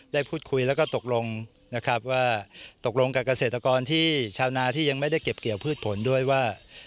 ได้พูดคุยแล้วก็ตกลงนะครับว่าตกลงกับเกษตรกรที่ชาวนาที่ยังไม่ได้เก็บเกี่ยวพืชผลด้วยว่า